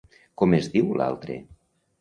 Com es diu l'altre?